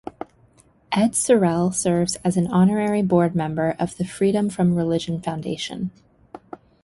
Ed Sorel serves as an Honorary Board Member of the Freedom From Religion Foundation.